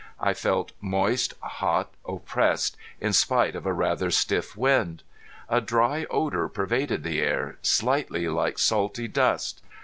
I felt moist, hot, oppressed, in spite of a rather stiff wind. A dry odor pervaded the air, slightly like salty dust.